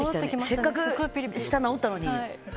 せっかく舌治ったのに。